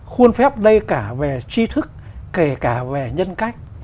khuôn phép đây cả về chi thức kể cả về nhân cách